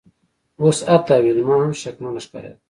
اوس حتی ویلما هم شکمنه ښکاریده